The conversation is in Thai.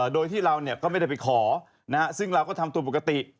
โดยที่เราก็ไม่ได้ไปขอซึ่งเราก็ทำตัวปกติ